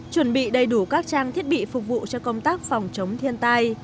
chuẩn bị đầy đủ các trang thiết bị phục vụ cho công tác phòng chống thiên tai